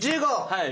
はい！